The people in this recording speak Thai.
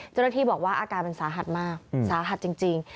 เจ้าหน้าที่บอกว่าอาการมันสาหัสมากสาหัสจริง